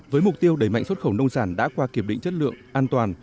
với mục tiêu đẩy mạnh xuất khẩu nông sản đã qua kiểm định chất lượng an toàn